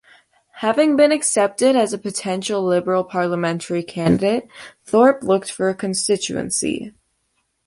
Having been accepted as a potential Liberal parliamentary candidate, Thorpe looked for a constituency.